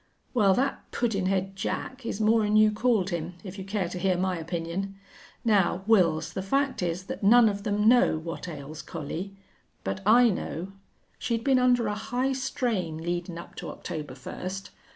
"Well, that puddin' head Jack is more'n you called him, if you care to hear my opinion.... Now, Wils, the fact is that none of them know what ails Collie. But I know. She'd been under a high strain leadin' up to October first.